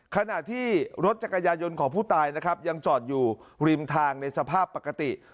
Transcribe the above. ขณะที่รถจักรยายนต์ของผู้ตายนะครับยังจอดอยู่ริมทางในสภาพปกติ